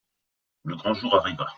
Le grand jour arriva.